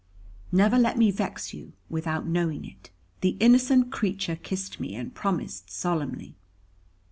Never let me vex you, without knowing it." The innocent creature kissed me, and promised solemnly.